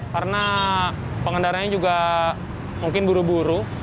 karena pengendaranya juga mungkin buru buru